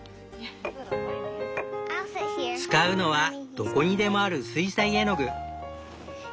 使うのはどこにでもある水彩絵の具。